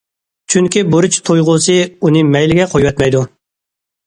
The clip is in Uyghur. چۈنكى بۇرچ تۇيغۇسى ئۇنى مەيلىگە قويۇۋەتمەيدۇ.